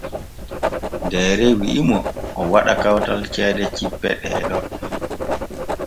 Deere wi’i mo o waɗa kawtal ceede cippe ɗee ɗo.